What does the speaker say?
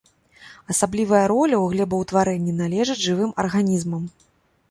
Асаблівая роля ў глебаўтварэнні належыць жывым арганізмам.